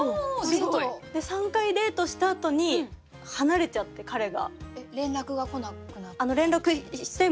３回デートしたあとに離れちゃって彼が。連絡が来なくなって？